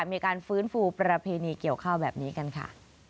มีการฟื้นฟูประเพณีเกี่ยวข้าวแบบนี้กันค่ะ